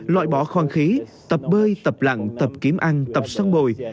loại bỏ khoan khí tập bơi tập lặn tập kiếm ăn tập săn bồi